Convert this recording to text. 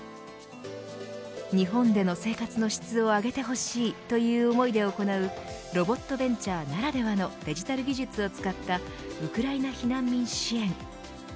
日本での生活の質を上げてほしいという思いで行うロボットベンチャーならではのデジタル技術を使ったウクライナ避難民支援。